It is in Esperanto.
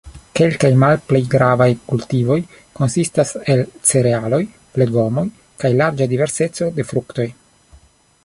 Kelkaj malpli gravaj kultivoj konsistas el cerealoj, legomoj kaj larĝa diverseco de fruktoj.